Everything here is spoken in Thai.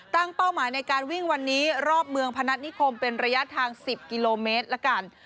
เป้าหมายในการวิ่งวันนี้รอบเมืองพนัฐนิคมเป็นระยะทาง๑๐กิโลเมตรละกัน